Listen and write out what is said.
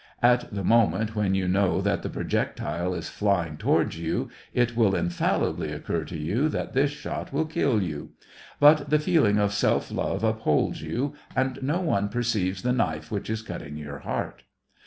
At the moment when you know that the projectile is flying towards you, it will infallibly occur to you that this shot will kill you ; but the feeling of self love upholds you, and no one perceives the knife which is cutting your heart.